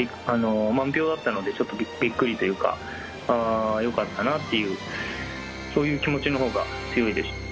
満票だったので、ちょっとびっくりというか、よかったなっていう、そういう気持ちのほうが強いです。